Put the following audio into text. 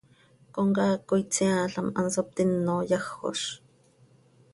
Comcaac coi tseaalam, hanso ptino yajoz.